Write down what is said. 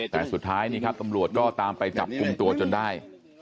แต่สุดท้ายนี่ครับตำรวจก็ตามไปจับกลุ่มตัวจนได้